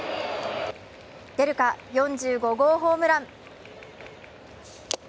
出るか、４５号ホームラン。